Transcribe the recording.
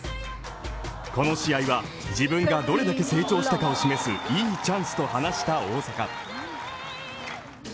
この試合は自分がどれだけ成長したかを示すいいチャンスと話した大坂。